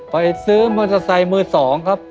ไปซื้อมือสายมือสองครับ